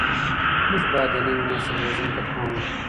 موږ باید د نوي نسل روزنې ته پام وکړو.